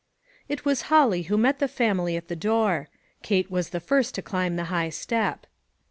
IT was Holly who met the family at the door. Kate was the first to climb the high step.